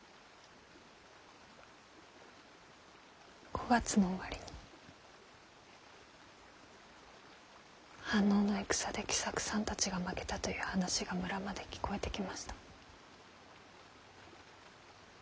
５月の終わりに飯能の戦で喜作さんたちが負けたという話が村まで聞こえてきました。